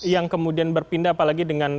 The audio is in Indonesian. yang kemudian berpindah apalagi dengan